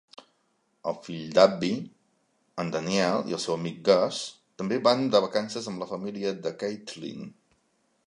El fill d'Abby, en Daniel, i el seu amic, Gus, també van de vacances amb la família de Caitlin.